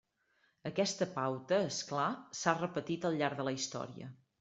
Aquesta pauta, és clar, s'ha repetit al llarg de la història.